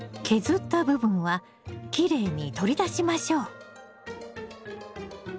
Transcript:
削った部分はきれいに取り出しましょう。